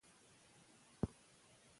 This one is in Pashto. شاه محمود او شاه حسین د میرویس نیکه زامن وو.